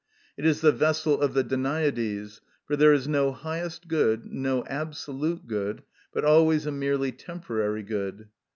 It is the vessel of the Danaides; for it there is no highest good, no absolute good, but always a merely temporary good.